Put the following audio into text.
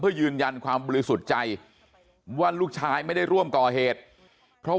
เพื่อยืนยันความบริสุทธิ์ใจว่าลูกชายไม่ได้ร่วมก่อเหตุเพราะ